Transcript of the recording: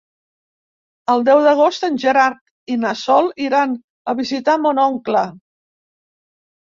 El deu d'agost en Gerard i na Sol iran a visitar mon oncle.